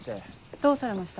どうされました？